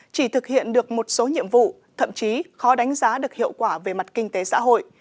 chỉ thực hiện được một số nhiệm vụ thậm chí khó đánh giá được hiệu quả về mặt kinh tế xã hội